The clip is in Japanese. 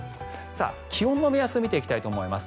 気温の目安見ていきたいと思います。